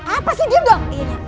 apa sih diem dong